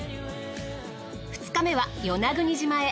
２日目は与那国島へ。